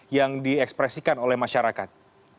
yang diekspresikan oleh masyarakat